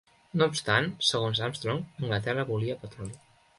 No obstant, segons Armstrong, Anglaterra volia petroli.